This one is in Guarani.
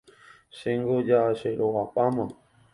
Chéngo ja cherogapáma